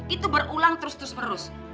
itu berulang terus terus